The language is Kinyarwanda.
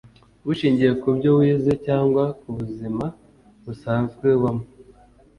bushingiye kubyo wize cyangwa ku buzima busanzwe ubamo.